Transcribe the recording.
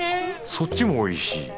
そっちもおいしい？